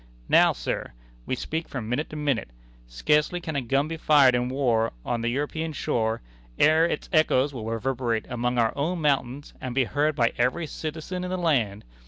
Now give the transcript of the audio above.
Now, Sir, we speak from minute to minute. Scarcely can a gun be fired in war on the European shore ere its echoes will reverberate among our own mountains, and be heard by every citizen in the land.